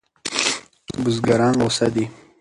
بزګران غوسه دي.